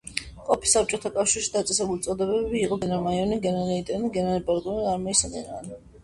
ყოფილ საბჭოთა კავშირში დაწესებული წოდებები იყო: გენერალ-მაიორი, გენერალ-ლეიტენანტი, გენერალ-პოლკოვნიკი და არმიის გენერალი.